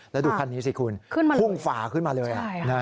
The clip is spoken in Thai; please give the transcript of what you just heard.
แล้วดูคันนี้สิคุณพุ่งฝ่าขึ้นมาเลย